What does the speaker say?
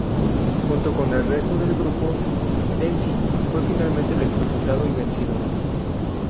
Junto con el resto del grupo, Tenzin fue finalmente electrocutado y vencido.